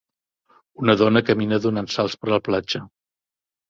Una dona camina donant salts per la platja.